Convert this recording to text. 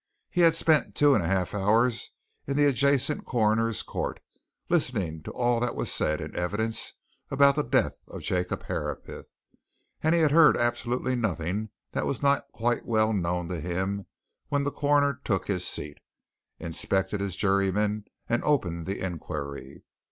He had spent two and a half hours in the adjacent Coroner's Court, listening to all that was said in evidence about the death of Jacob Herapath, and he had heard absolutely nothing that was not quite well known to him when the Coroner took his seat, inspected his jurymen, and opened the inquiry.